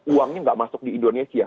uangnya nggak masuk di indonesia